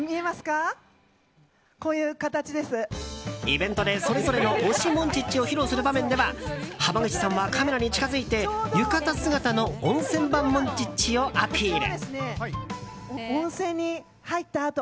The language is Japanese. イベントでそれぞれの推しモンチッチを披露する場面では浜口さんはカメラに近づいて浴衣姿の温泉版モンチッチをアピール。